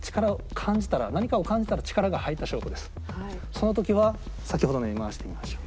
その時は先ほどのように回してみましょう。